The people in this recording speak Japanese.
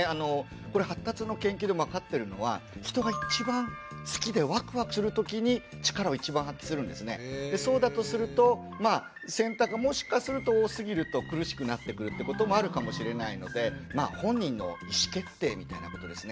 これ発達の研究でも分かってるのはそうだとするとまあ選択がもしかすると多すぎると苦しくなってくるってこともあるかもしれないのでまあ本人の意思決定みたいなことですね。